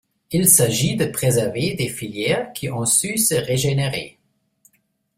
Il s’agit de préserver des filières qui ont su se régénérer.